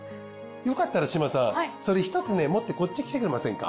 よかったら志真さんそれ１つね持ってこっち来てくれませんか。